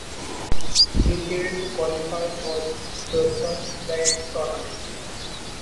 They failed to qualify for the Sun Belt Tournament.